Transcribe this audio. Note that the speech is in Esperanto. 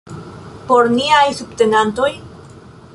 Por niaj subtenantoj?